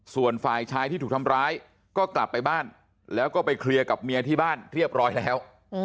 ส่วนฝ่ายชายที่ถูกทำร้ายก็กลับไปบ้านแล้วก็ไปเคลียร์กับเมียที่บ้านเรียบร้อยแล้ว